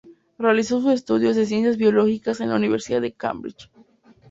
Realizó sus estudios de Ciencias Biológicas en la Universidad de Cambridge.